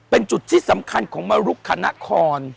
เป็นจุดที่สำคัญของมรุกคณะคอน